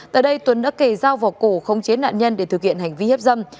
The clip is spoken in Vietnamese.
tại đây tuấn đã kề dao vào cổ không chế nạn nhân để thực hiện hành vi hiếp dâm